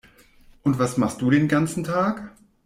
Und was machst du den ganzen Tag?